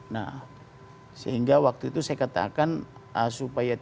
nah sehingga waktu itu saya katakan supaya tidak